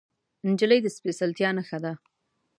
نجلۍ د سپیڅلتیا نښه ده.